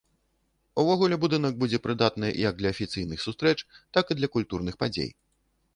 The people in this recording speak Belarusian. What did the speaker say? Увогуле будынак будзе прыдатны як для афіцыйных сустрэч, так і для культурных падзей.